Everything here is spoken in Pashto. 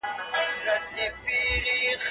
د پوهي رڼا د ټولني تيارې له منځه وړي.